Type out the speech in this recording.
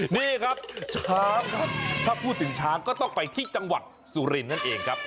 นี่ครับช้างครับถ้าพูดถึงช้างก็ต้องไปที่จังหวัดสุรินทร์นั่นเองครับ